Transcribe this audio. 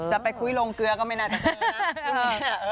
จะไปคุยโรงเกลือก็ไม่น่าจะเจอนะ